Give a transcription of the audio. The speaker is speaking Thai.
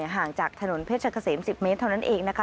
ห่างจากถนนเพชรเกษม๑๐เมตรเท่านั้นเองนะคะ